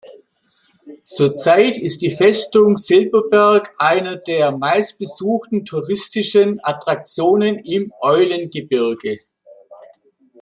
Zurzeit ist die Festung Silberberg eine der meistbesuchten touristischen Attraktionen im Eulengebirge.